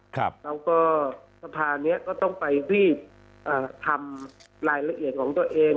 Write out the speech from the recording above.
ครับแล้วก็สภานี้ก็ต้องไปรีบเอ่อทำรายละเอียดของตัวเอง